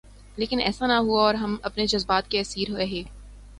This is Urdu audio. لیکن ایسا نہ ہوا اور ہم اپنے جذبات کے اسیر رہے۔